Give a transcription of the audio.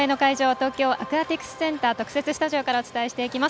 東京アクアティクスセンター特設スタジオからお伝えしていきます。